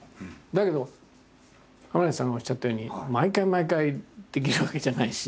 だけど亀梨さんがおっしゃったように毎回毎回できるわけじゃないし。